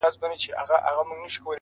o غربت مي شپې يوازي کړيدي تنها يمه زه ـ